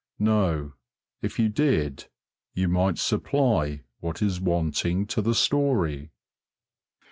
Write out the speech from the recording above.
No. If you did, you might supply what is wanting to the story.